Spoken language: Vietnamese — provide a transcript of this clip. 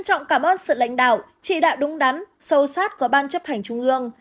ông cảm ơn sự lãnh đạo trị đạo đúng đắn sâu sát của ban chấp hành trung ương